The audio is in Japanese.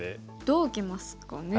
どう受けますかね。